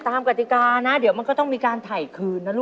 กติกานะเดี๋ยวมันก็ต้องมีการถ่ายคืนนะลูก